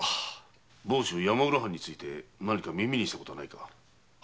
房州山浦藩について何か耳にしたことはないか？